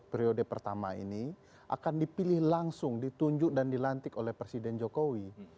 periode pertama ini akan dipilih langsung ditunjuk dan dilantik oleh presiden jokowi